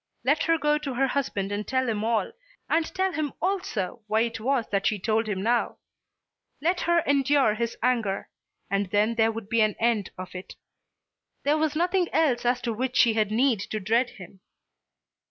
Let her go to her husband and tell him all, and tell him also why it was that she told him now. Let her endure his anger, and then there would be an end of it. There was nothing else as to which she had need to dread him.